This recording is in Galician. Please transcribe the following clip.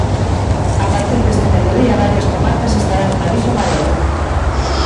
A partir deste mediodía varias comarcas estarán en aviso amarelo.